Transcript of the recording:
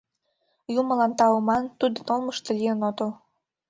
— Юмылан тау ман, тудын олмышто лийын отыл.